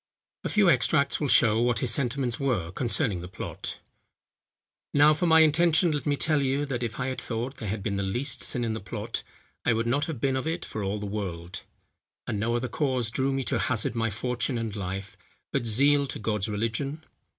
A few extracts will show what his sentiments were concerning the plot. "Now, for my intention let me tell you, that if I had thought there had been the least sin in the plot, I would not have been of it for all the world; and no other cause drew me to hazard my fortune and life, but zeal to God's religion.